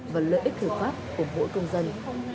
và lợi ích thực pháp của mỗi công dân